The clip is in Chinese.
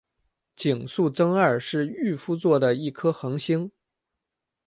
井宿增二是御夫座的一颗恒星。